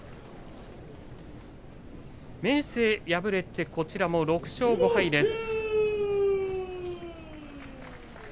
明生、敗れてこちらも６勝５敗です。